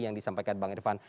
yang disampaikan bang irvan